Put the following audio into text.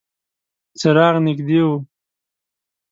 څراغ نږدې و.